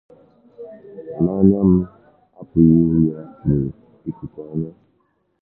mana anya mụ apụghị ịhụ ya bụ ikuku anya.